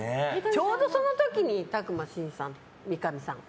ちょうどその時に宅麻伸さん、三上さん